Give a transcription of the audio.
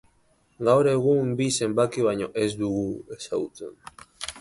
Gaur egun bi zenbaki baino ez dugu ezagutzen.